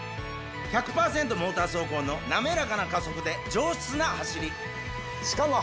モーター走行の滑らかな加速で上質な走りしかも。